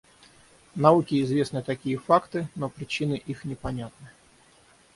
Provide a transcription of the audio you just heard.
Науке известны такие факты, но причины их непонятны.